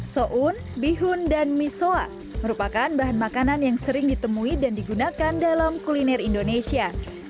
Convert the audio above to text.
so'un bihun dan miso'a merupakan bahan makanan yang sering ditemui dan digunakan dalam kuliner indonesia